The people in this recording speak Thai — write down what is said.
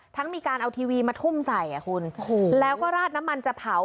มีการเอาทีวีมาทุ่มใส่อ่ะคุณโอ้โหแล้วก็ราดน้ำมันจะเผา